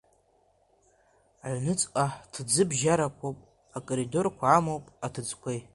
Аҩнуҵҟа ҭӡыбжьарақәоуп, акоридорқәа амоуп, аҭыӡқәеи.